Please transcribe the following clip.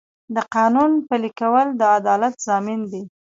د قانون پلي کول د عدالت ضامن دی.